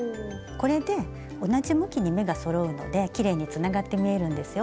これで同じ向きに目がそろうのできれいにつながって見えるんですよ。